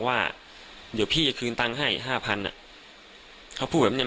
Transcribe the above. ว่าเดี๋ยวพี่จะคืนตังค์ให้ห้าพันอ่ะเขาพูดแบบเนี้ย